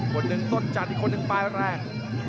คนหนึ่งต้นจัดอีกคนหนึ่งปลายแรง